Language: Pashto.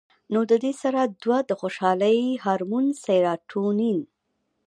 نو د دې سره دوه د خوشالۍ هارمون سېراټونین